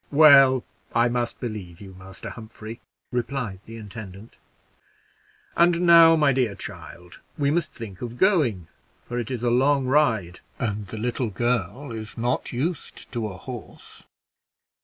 "Well, I must believe you, Master Humphrey," replied the intendant. "And now, my dear child, we must think of going, for it is a long ride, and the little girl is not used to a horse."